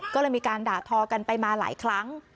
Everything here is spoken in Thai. ก็เลยมีการด่าทอกันไปมาหลายครั้ง